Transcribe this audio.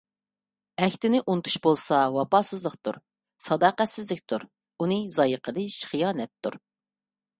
ئەھدىنى ئۇنتۇش بولسا، ۋاپاسىزلىقتۇر، ساداقەتسىزلىكتۇر. ئۇنى زايە قىلىش خىيانەتتۇر.